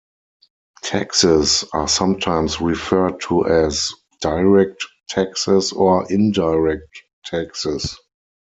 Taxes are sometimes referred to as "direct taxes" or "indirect taxes".